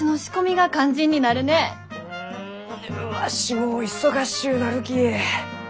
うんわしも忙しゅうなるき。